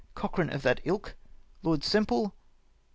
" Cochran of that Ilk. ""Lord Semple.